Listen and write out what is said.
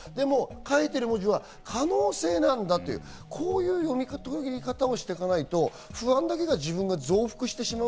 書いてある文字は可能性なんだ、こういう読み解き方をしていかないと、不安だけが自分が増幅してしまう。